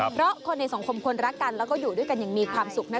เพราะคนในสังคมคนรักกันแล้วก็อยู่ด้วยกันอย่างมีความสุขนะ